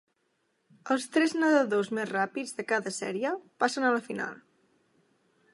Els tres nedadors més ràpids de cada sèrie passen a la final.